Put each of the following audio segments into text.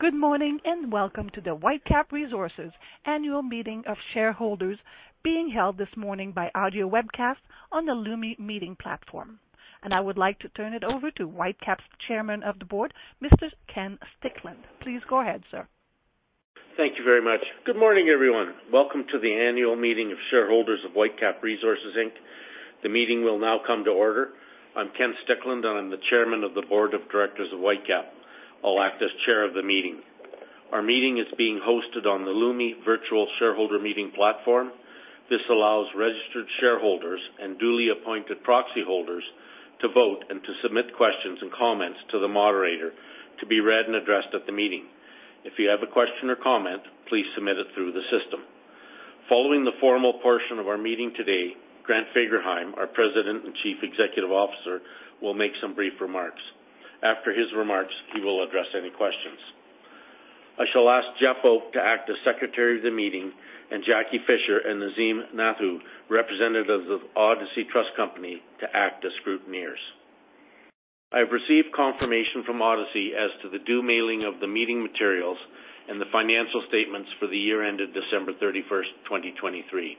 Good morning and welcome to the Whitecap Resources Annual Meeting of Shareholders, being held this morning by audio webcast on the Lumi Meeting Platform. I would like to turn it over to Whitecap's Chairman of the Board, Mr. Ken Stickland. Please go ahead, sir. Thank you very much. Good morning, everyone. Welcome to the Annual Meeting of Shareholders of Whitecap Resources, Inc. The meeting will now come to order. I'm Ken Stickland, and I'm the Chairman of the Board of Directors of Whitecap. I'll act as Chair of the meeting. Our meeting is being hosted on the Lumi Virtual Shareholder Meeting Platform. This allows registered shareholders and duly appointed proxy holders to vote and to submit questions and comments to the moderator to be read and addressed at the meeting. If you have a question or comment, please submit it through the system. Following the formal portion of our meeting today, Grant Fagerheim, our President and Chief Executive Officer, will make some brief remarks. After his remarks, he will address any questions. I shall ask Jeff Oke to act as Secretary of the Meeting, and Jackie Fisher and Nazeem Nathu, representatives of Odyssey Trust Company, to act as scrutineers. I have received confirmation from Odyssey as to the due mailing of the meeting materials and the financial statements for the year ended December 31st, 2023.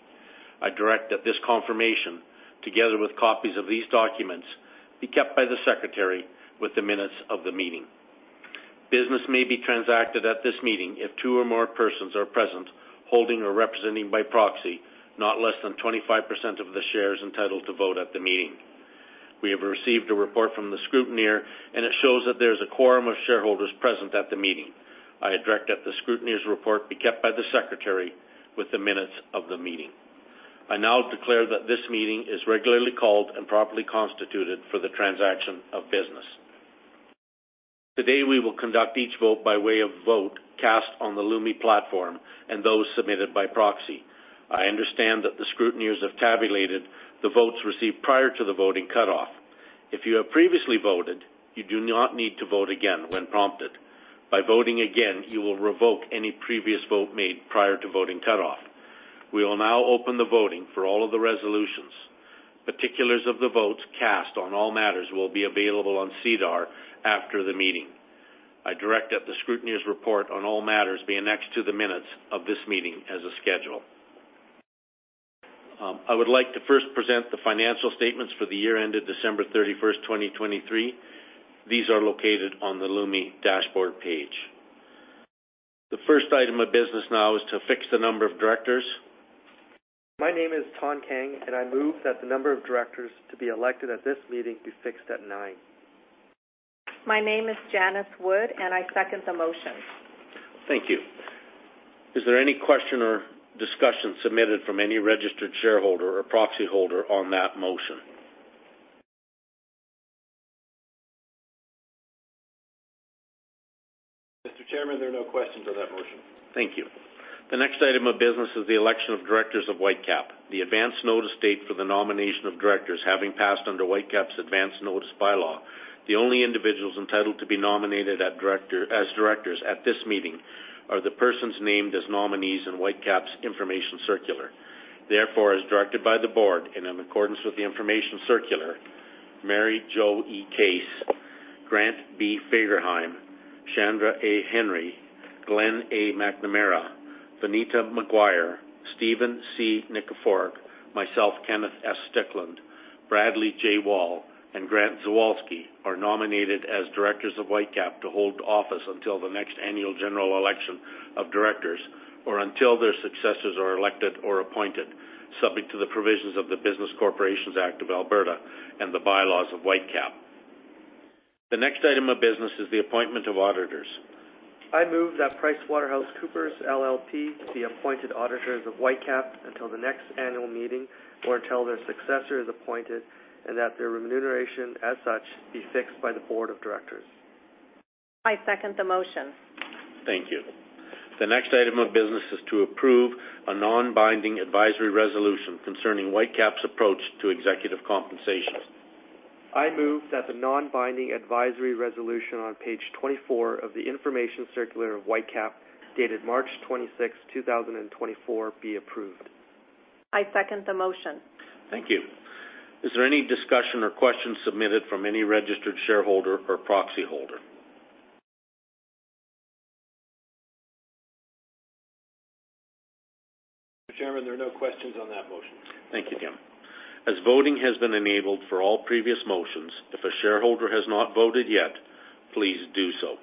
I direct that this confirmation, together with copies of these documents, be kept by the Secretary with the minutes of the meeting. Business may be transacted at this meeting if two or more persons are present holding or representing by proxy not less than 25% of the shares entitled to vote at the meeting. We have received a report from the scrutineer, and it shows that there is a quorum of shareholders present at the meeting. I direct that the scrutineer's report be kept by the Secretary with the minutes of the meeting. I now declare that this meeting is regularly called and properly constituted for the transaction of business. Today, we will conduct each vote by way of vote cast on the Lumi Platform and those submitted by proxy. I understand that the scrutineers have tabulated the votes received prior to the voting cutoff. If you have previously voted, you do not need to vote again when prompted. By voting again, you will revoke any previous vote made prior to voting cutoff. We will now open the voting for all of the resolutions. Particulars of the votes cast on all matters will be available on SEDAR+ after the meeting. I direct that the scrutineer's report on all matters be annexed to the minutes of this meeting as a schedule. I would like to first present the financial statements for the year ended December 31st, 2023. These are located on the Lumi dashboard page. The first item of business now is to fix the number of directors. My name is Thanh Kang, and I move that the number of directors to be elected at this meeting be fixed at nine. My name is Janice Wood, and I second the motion. Thank you. Is there any question or discussion submitted from any registered shareholder or proxy holder on that motion? Mr. Chairman, there are no questions on that motion. Thank you. The next item of business is the election of directors of Whitecap. The advance notice date for the nomination of directors having passed under Whitecap's Advance Notice Bylaw. The only individuals entitled to be nominated as directors at this meeting are the persons named as nominees in Whitecap's Information Circular. Therefore, as directed by the board and in accordance with the Information Circular, Mary Jo E. Case, Grant B. Fagerheim, Chandra A. Henry, Glenn A. McNamara, Vineeta Maguire, Stephen C. Nikiforok, myself, Kenneth S. Stickland, Bradley J. Wall, and Grant Zawolsky are nominated as directors of Whitecap to hold office until the next annual general election of directors or until their successors are elected or appointed, subject to the provisions of the Business Corporations Act of Alberta and the bylaws of Whitecap. The next item of business is the appointment of auditors. I move that PricewaterhouseCoopers LLP be appointed auditors of Whitecap until the next annual meeting or until their successor is appointed and that their remuneration as such be fixed by the board of directors. I second the motion. Thank you. The next item of business is to approve a non-binding advisory resolution concerning Whitecap's approach to executive compensation. I move that the non-binding advisory resolution on page 24 of the information circular of Whitecap dated March 26, 2024, be approved. I second the motion. Thank you. Is there any discussion or question submitted from any registered shareholder or proxy holder? Mr. Chairman, there are no questions on that motion. Thank you, Tim. As voting has been enabled for all previous motions, if a shareholder has not voted yet, please do so.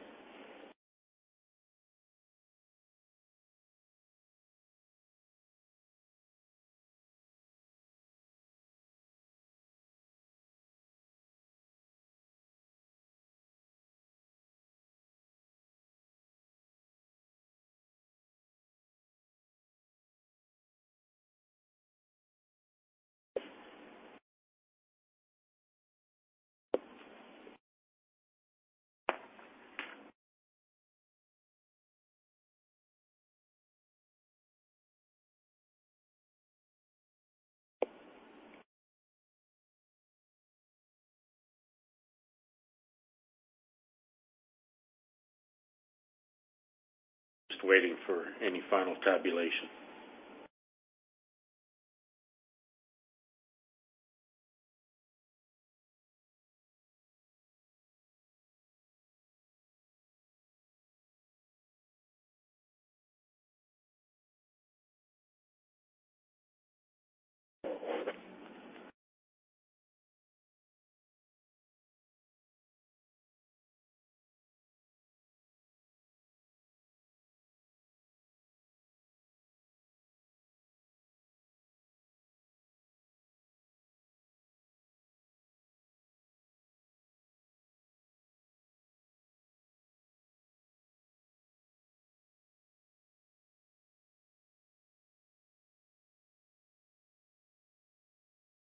Just waiting for any final tabulation.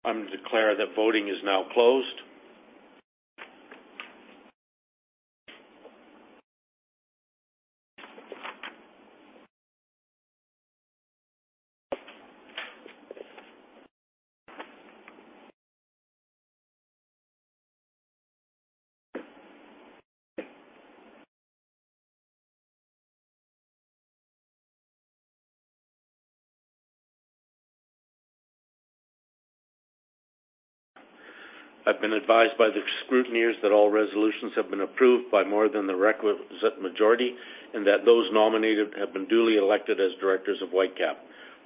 I'm going to declare that voting is now closed. I've been advised by the scrutineers that all resolutions have been approved by more than the requisite majority and that those nominated have been duly elected as directors of Whitecap.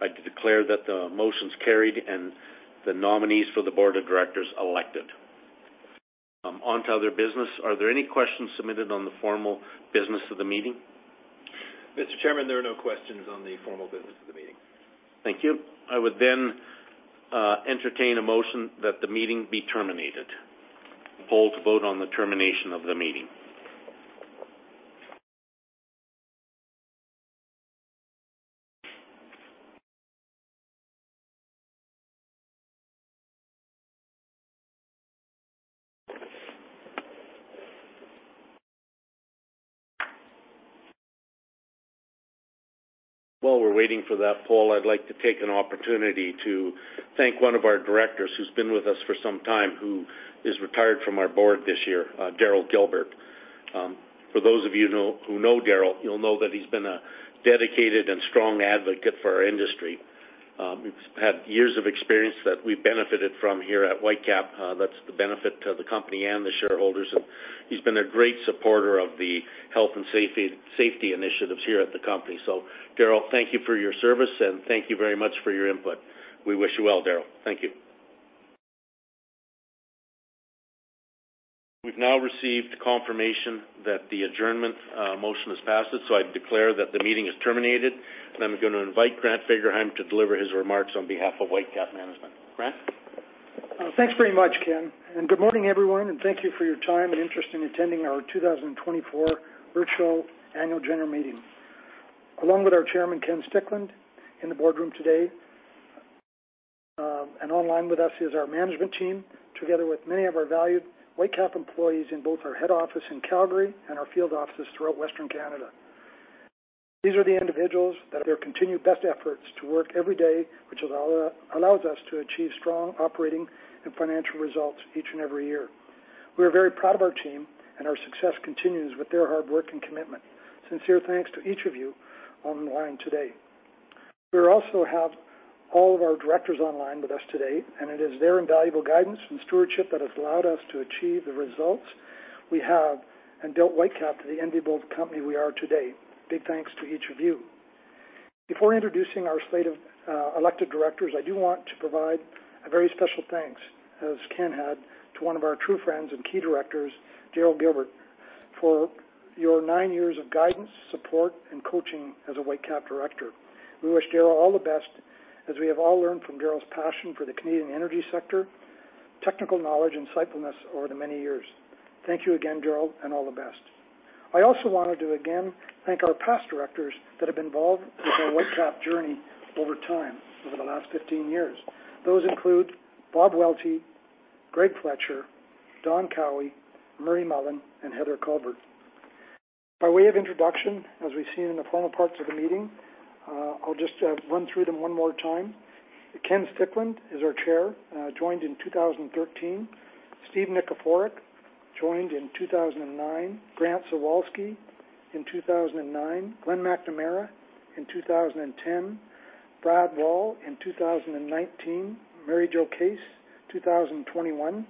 I declare that the motion's carried and the nominees for the board of directors elected. On to other business. Are there any questions submitted on the formal business of the meeting? Mr. Chairman, there are no questions on the formal business of the meeting. Thank you. I would then entertain a motion that the meeting be terminated. I'll poll to vote on the termination of the meeting. While we're waiting for that poll, I'd like to take an opportunity to thank one of our directors who's been with us for some time, who is retired from our board this year, Daryl Gilbert. For those of you who know Daryl, you'll know that he's been a dedicated and strong advocate for our industry. He's had years of experience that we've benefited from here at Whitecap. That's the benefit to the company and the shareholders. He's been a great supporter of the health and safety initiatives here at the company. So, Daryl, thank you for your service, and thank you very much for your input. We wish you well, Daryl. Thank you. We've now received confirmation that the adjournment motion is passed, so I declare that the meeting is terminated. I'm going to invite Grant Fagerheim to deliver his remarks on behalf of Whitecap Management. Grant? Thanks very much, Ken, and good morning, everyone, and thank you for your time and interest in attending our 2024 virtual annual general meeting. Along with our Chairman, Ken Stickland, in the boardroom today, and online with us is our management team, together with many of our valued Whitecap employees in both our head office in Calgary and our field offices throughout Western Canada. These are the individuals that have their continued best efforts to work every day, which allows us to achieve strong operating and financial results each and every year. We are very proud of our team, and our success continues with their hard work and commitment. Sincere thanks to each of you online today. We also have all of our directors online with us today, and it is their invaluable guidance and stewardship that has allowed us to achieve the results we have and built Whitecap to the enviable company we are today. Big thanks to each of you. Before introducing our slate of elected directors, I do want to provide a very special thanks, as Ken had, to one of our true friends and key directors, Daryl Gilbert, for your nine years of guidance, support, and coaching as a Whitecap director. We wish Daryl all the best, as we have all learned from Daryl's passion for the Canadian energy sector, technical knowledge, and insightfulness over the many years. Thank you again, Daryl, and all the best. I also wanted to again thank our past directors that have been involved with our Whitecap journey over time over the last 15 years. Those include Bob Welty, Greg Fletcher, Don Cowie, Murray Mullen, and Heather Culbert. By way of introduction, as we've seen in the formal parts of the meeting, I'll just run through them one more time. Ken Stickland is our chair, joined in 2013. Steve Nikiforok joined in 2009. Grant Zawolsky in 2009. Glenn McNamara in 2010. Brad Wall in 2019. Mary Jo Case, 2021.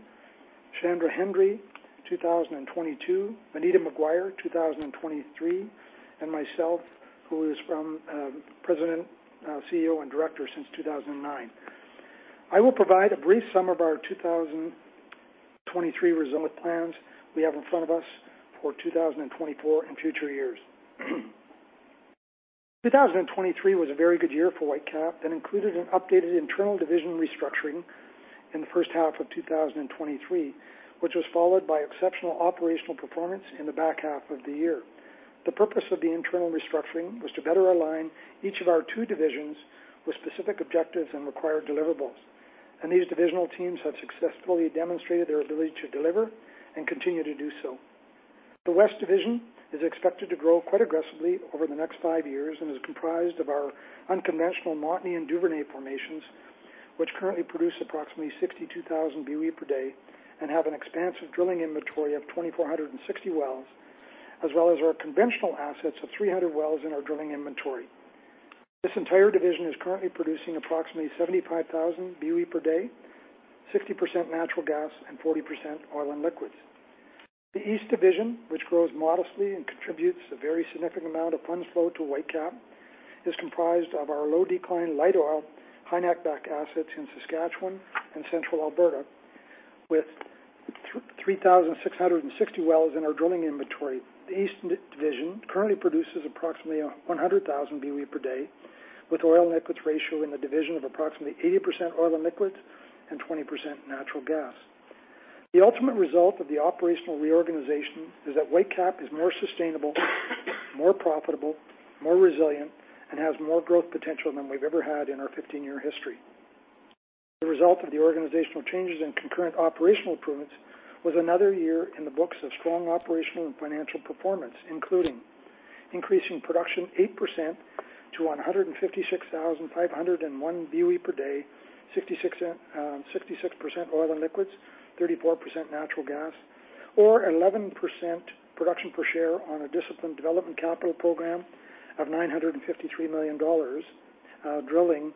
Chandra Henry, 2022. Vineeta Maguire, 2023. And myself, who is the President, CEO, and Director since 2009. I will provide a brief summary of our 2023 results with plans we have in front of us for 2024 and future years. 2023 was a very good year for Whitecap that included an updated internal division restructuring in the first half of 2023, which was followed by exceptional operational performance in the back half of the year. The purpose of the internal restructuring was to better align each of our two divisions with specific objectives and required deliverables. These divisional teams have successfully demonstrated their ability to deliver and continue to do so. The West Division is expected to grow quite aggressively over the next five years and is comprised of our unconventional Montney and Duvernay formations, which currently produce approximately 62,000 BOE per day and have an expansive drilling inventory of 2,460 wells, as well as our conventional assets of 300 wells in our drilling inventory. This entire division is currently producing approximately 75,000 BOE per day, 60% natural gas, and 40% oil and liquids. The East Division, which grows modestly and contributes a very significant amount of funds flow to Whitecap, is comprised of our low-decline light oil, high-netback assets in Saskatchewan and Central Alberta, with 3,660 wells in our drilling inventory. The East Division currently produces approximately 100,000 BOE per day, with oil and liquids ratio in the division of approximately 80% oil and liquids and 20% natural gas. The ultimate result of the operational reorganization is that Whitecap is more sustainable, more profitable, more resilient, and has more growth potential than we've ever had in our 15-year history. The result of the organizational changes and concurrent operational improvements was another year in the books of strong operational and financial performance, including increasing production 8% to 156,501 BOE per day, 66% oil and liquids, 34% natural gas, or 11% production per share on a disciplined development capital program of $953 million, drilling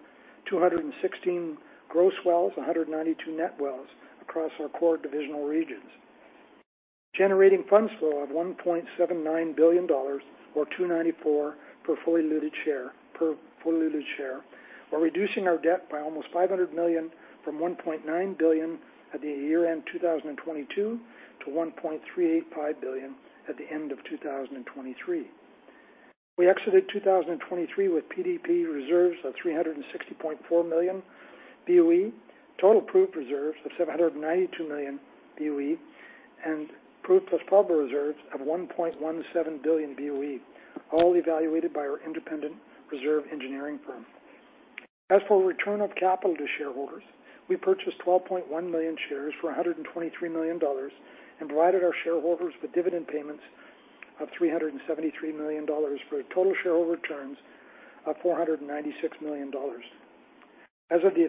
216 gross wells, 192 net wells across our core divisional regions, generating funds flow of $1.79 billion, or 294 per fully diluted share, or reducing our debt by almost 500 million from 1.9 billion at the year-end 2022 to 1.385 billion at the end of 2023. We exited 2023 with PDP reserves of 360.4 million BOE, total proved reserves of 792 million BOE, and proved plus probable reserves of 1.17 billion BOE, all evaluated by our independent reserve engineering firm. As for return of capital to shareholders, we purchased 12.1 million shares for $123 million and provided our shareholders with dividend payments of $373 million for total shareholder returns of $496 million. As of the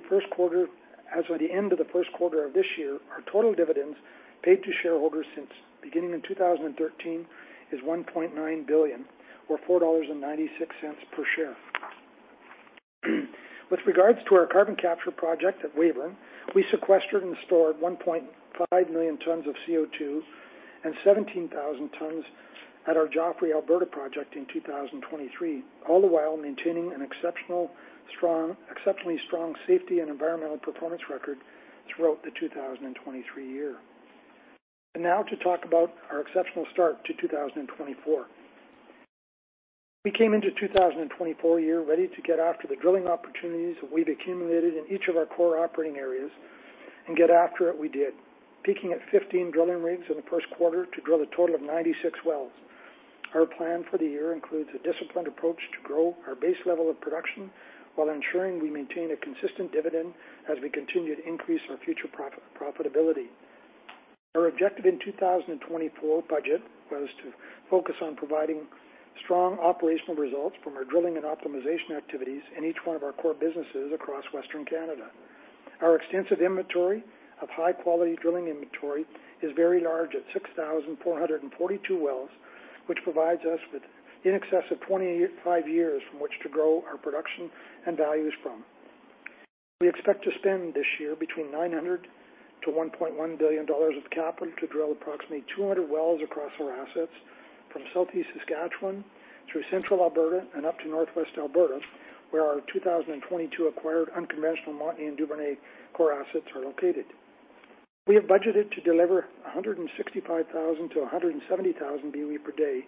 end of the first quarter of this year, our total dividends paid to shareholders since beginning in 2013 is 1.9 billion, or $4.96 per share. With regards to our carbon capture project at Weyburn, we sequestered and stored 1.5 million tons of CO2 and 17,000 tons at our Joffre Alberta project in 2023, all the while maintaining an exceptionally strong safety and environmental performance record throughout the 2023 year. Now to talk about our exceptional start to 2024. We came into the 2024 year ready to get after the drilling opportunities we've accumulated in each of our core operating areas and get after it we did, peaking at 15 drilling rigs in the first quarter to drill a total of 96 wells. Our plan for the year includes a disciplined approach to grow our base level of production while ensuring we maintain a consistent dividend as we continue to increase our future profitability. Our objective in the 2024 budget was to focus on providing strong operational results from our drilling and optimization activities in each one of our core businesses across Western Canada. Our extensive inventory of high-quality drilling inventory is very large at 6,442 wells, which provides us with in excess of 25 years from which to grow our production and values from. We expect to spend this year between $900-$1.1 billion of capital to drill approximately 200 wells across our assets from Southeast Saskatchewan through Central Alberta and up to Northwest Alberta, where our 2022 acquired unconventional Montney and Duvernay core assets are located. We have budgeted to deliver 165,000-170,000 BOE per day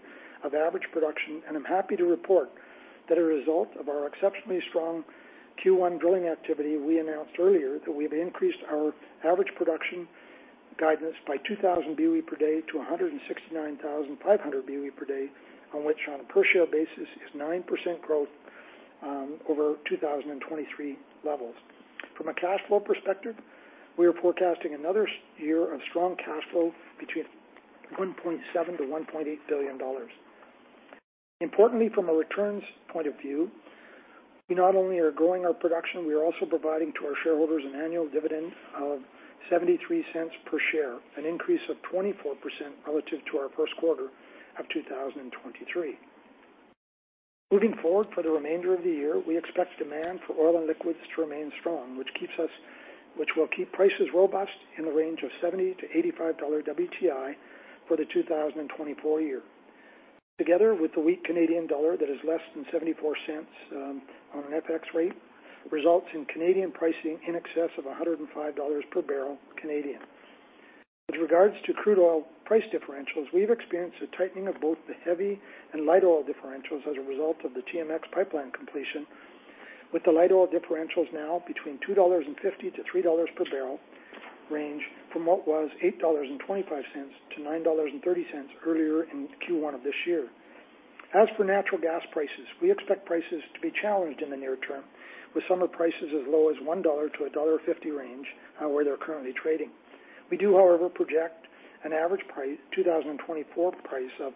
of average production, and I'm happy to report that as a result of our exceptionally strong Q1 drilling activity we announced earlier, we have increased our average production guidance by 2,000 BOE per day to 169,500 BOE per day, on which on a per-share basis is 9% growth over 2023 levels. From a cash flow perspective, we are forecasting another year of strong cash flow between $1.7-$1.8 billion. Importantly, from a returns point of view, we not only are growing our production, we are also providing to our shareholders an annual dividend of 0.73 per share, an increase of 24% relative to our first quarter of 2023. Moving forward for the remainder of the year, we expect demand for oil and liquids to remain strong, which will keep prices robust in the range of $70-$85 WTI for the 2024 year. Together with the weak Canadian dollar that is less than 74 cents on an FX rate, results in Canadian pricing in excess of 105 dollars per barrel Canadian. With regards to crude oil price differentials, we've experienced a tightening of both the heavy and light oil differentials as a result of the TMX pipeline completion, with the light oil differentials now between $2.50-$3 per barrel range from what was $8.25-$9.30 earlier in Q1 of this year. As for natural gas prices, we expect prices to be challenged in the near term, with summer prices as low as 1-1.50 dollar range where they're currently trading. We do, however, project an average 2024 price of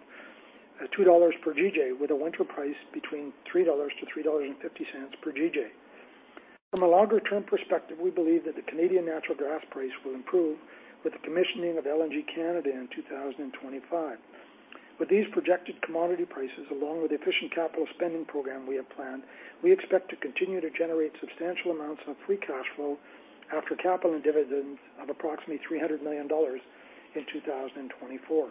2 dollars per GJ, with a winter price between 3-3.50 dollars per GJ. From a longer-term perspective, we believe that the Canadian natural gas price will improve with the commissioning of LNG Canada in 2025. With these projected commodity prices, along with the efficient capital spending program we have planned, we expect to continue to generate substantial amounts of free cash flow after capital and dividends of approximately 300 million dollars in 2024.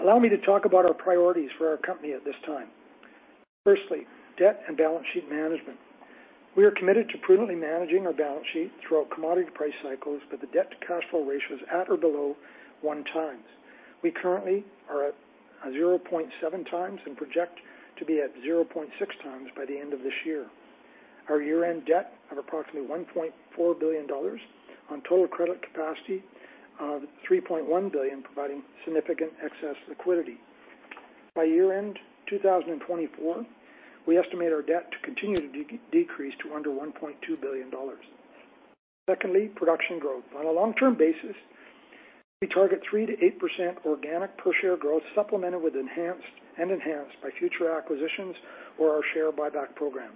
Allow me to talk about our priorities for our company at this time. Firstly, debt and balance sheet management. We are committed to prudently managing our balance sheet throughout commodity price cycles with the debt-to-cash flow ratios at or below one times. We currently are at 0.7 times and project to be at 0.6 times by the end of this year. Our year-end debt is approximately 1.4 billion dollars on total credit capacity of 3.1 billion, providing significant excess liquidity. By year-end 2024, we estimate our debt to continue to decrease to under 1.2 billion dollars. Secondly, production growth. On a long-term basis, we target 3%-8% organic per-share growth, supplemented with and enhanced by future acquisitions or our share buyback program.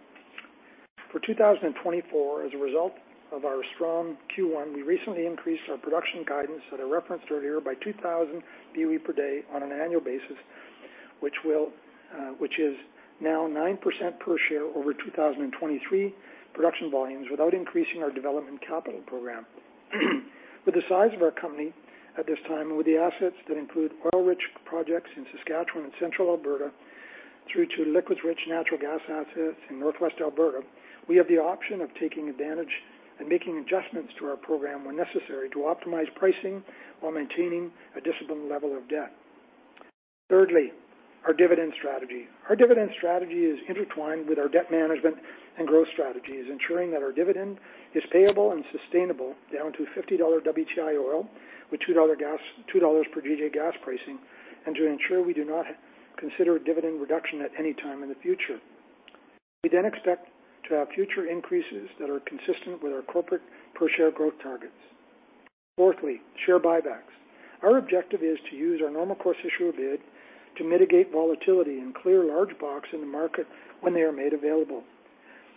For 2024, as a result of our strong Q1, we recently increased our production guidance that I referenced earlier by 2,000 BOE per day on an annual basis, which is now 9% per share over 2023 production volumes without increasing our development capital program. With the size of our company at this time and with the assets that include oil-rich projects in Saskatchewan and Central Alberta through to liquids-rich natural gas assets in Northwest Alberta, we have the option of taking advantage and making adjustments to our program when necessary to optimize pricing while maintaining a disciplined level of debt. Thirdly, our dividend strategy. Our dividend strategy is intertwined with our debt management and growth strategies, ensuring that our dividend is payable and sustainable down to $50 WTI oil with $2 per GJ gas pricing and to ensure we do not consider dividend reduction at any time in the future. We then expect to have future increases that are consistent with our corporate per-share growth targets. Fourthly, share buybacks. Our objective is to use our normal course issuer bid to mitigate volatility and clear large blocks in the market when they are made available.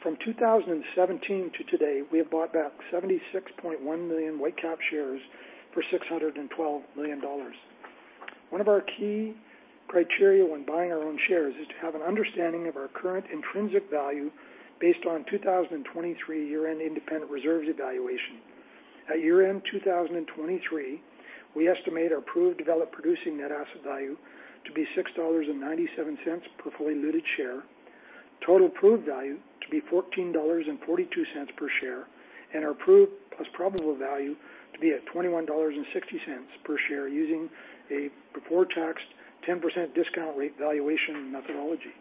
From 2017 to today, we have bought back 76.1 million Whitecap shares for $612 million. One of our key criteria when buying our own shares is to have an understanding of our current intrinsic value based on 2023 year-end independent reserves evaluation. At year-end 2023, we estimate our proved developed producing net asset value to be 6.97 dollars per fully diluted share, total proved value to be 14.42 dollars per share, and our proved plus probable value to be at 21.60 dollars per share using a before-taxed 10% discount rate valuation methodology.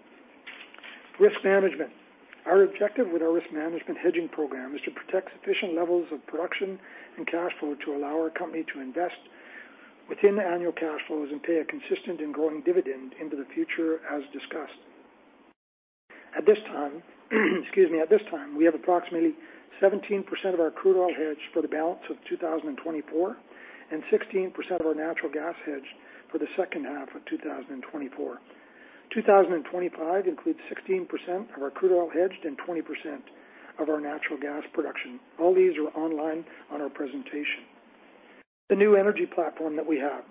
Risk management. Our objective with our risk management hedging program is to protect sufficient levels of production and cash flow to allow our company to invest within the annual cash flows and pay a consistent and growing dividend into the future as discussed. At this time, we have approximately 17% of our crude oil hedged for the balance of 2024 and 16% of our natural gas hedged for the second half of 2024. 2025 includes 16% of our crude oil hedged and 20% of our natural gas production. All these are online on our presentation. The New Energy platform that we have.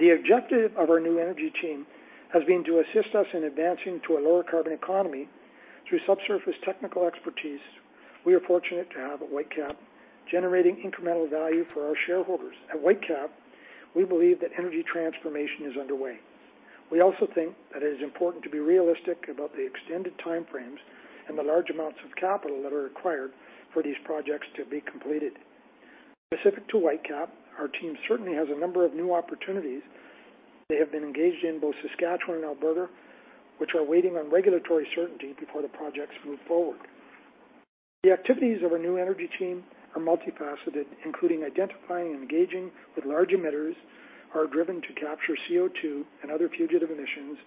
The objective of our New Energy team has been to assist us in advancing to a lower carbon economy through subsurface technical expertise. We are fortunate to have Whitecap generating incremental value for our shareholders. At Whitecap, we believe that energy transformation is underway. We also think that it is important to be realistic about the extended timeframes and the large amounts of capital that are required for these projects to be completed. Specific to Whitecap, our team certainly has a number of new opportunities they have been engaged in both Saskatchewan and Alberta, which are waiting on regulatory certainty before the projects move forward. The activities of our New Energy team are multifaceted, including identifying and engaging with large emitters who are driven to capture CO2 and other fugitive emissions,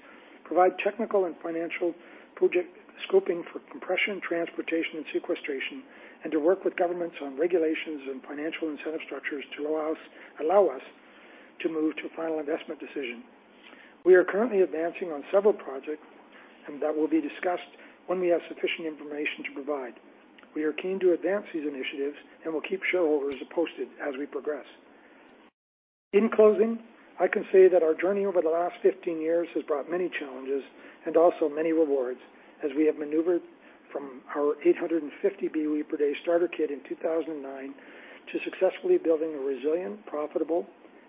provide technical and financial project scoping for compression, transportation, and sequestration, and to work with governments on regulations and financial incentive structures to allow us to move to final investment decision. We are currently advancing on several projects that will be discussed when we have sufficient information to provide. We are keen to advance these initiatives and will keep shareholders posted as we progress. In closing, I can say that our journey over the last 15 years has brought many challenges and also many rewards as we have maneuvered from our 850 BOE per day starter kit in 2009 to successfully building a resilient, profitable,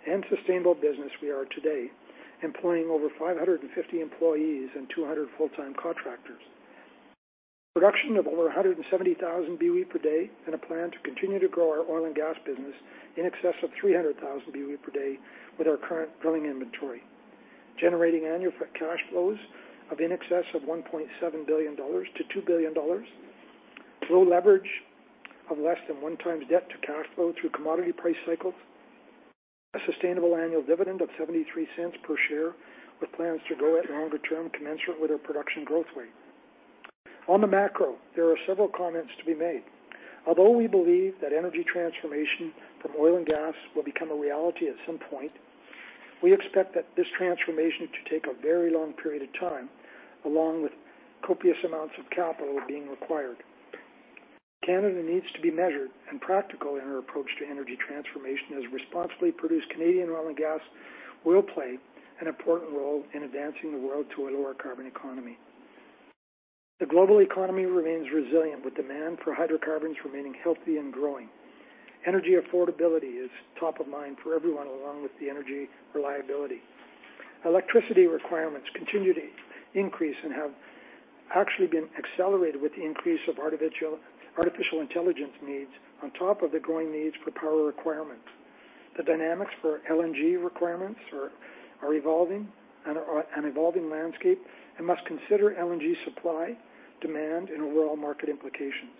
and sustainable business we are today, employing over 550 employees and 200 full-time contractors. Production of over 170,000 BOE per day and a plan to continue to grow our oil and gas business in excess of 300,000 BOE per day with our current drilling inventory, generating annual cash flows of in excess of $1.7 billion-$2 billion, low leverage of less than one times debt to cash flow through commodity price cycles, a sustainable annual dividend of $0.73 per share with plans to grow at longer term commensurate with our production growth rate. On the macro, there are several comments to be made. Although we believe that energy transformation from oil and gas will become a reality at some point, we expect that this transformation to take a very long period of time along with copious amounts of capital being required. Canada needs to be measured and practical in our approach to energy transformation as responsibly produced Canadian oil and gas will play an important role in advancing the world to a lower carbon economy. The global economy remains resilient with demand for hydrocarbons remaining healthy and growing. Energy affordability is top of mind for everyone along with the energy reliability. Electricity requirements continue to increase and have actually been accelerated with the increase of artificial intelligence needs on top of the growing needs for power requirements. The dynamics for LNG requirements are evolving and an evolving landscape and must consider LNG supply, demand, and overall market implications,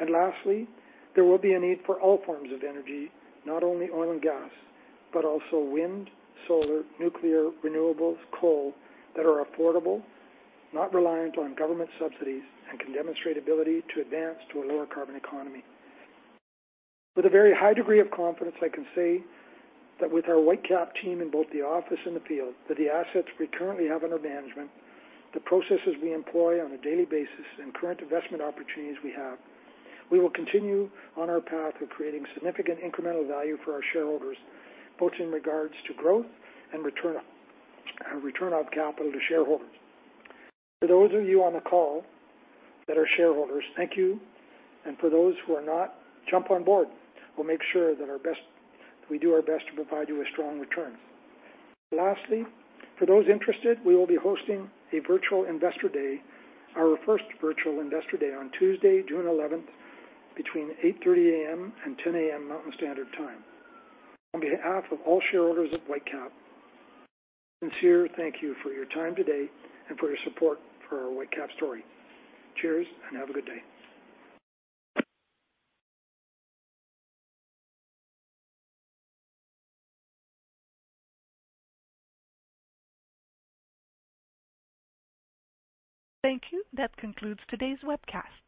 and lastly, there will be a need for all forms of energy, not only oil and gas, but also wind, solar, nuclear, renewables, coal that are affordable, not reliant on government subsidies, and can demonstrate ability to advance to a lower carbon economy. With a very high degree of confidence, I can say that with our Whitecap team in both the office and the field, the assets we currently have under management, the processes we employ on a daily basis, and current investment opportunities we have, we will continue on our path of creating significant incremental value for our shareholders, both in regards to growth and return of capital to shareholders. For those of you on the call that are shareholders, thank you. And for those who are not, jump on board. We'll make sure that we do our best to provide you with strong returns. Lastly, for those interested, we will be hosting a virtual investor day, our first virtual investor day on Tuesday, June 11th, between 8:30 A.M. and 10:00 A.M. Mountain Standard Time. On behalf of all shareholders of Whitecap, sincere thank you for your time today and for your support for our Whitecap story. Cheers and have a good day. Thank you. That concludes today's webcast.